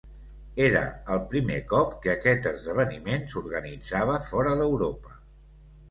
Era el primer cop que aquest esdeveniment s'organitzava fora d'Europa.